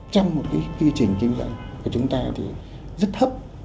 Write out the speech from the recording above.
trong một cái quy trình kinh doanh của chúng ta thì rất thấp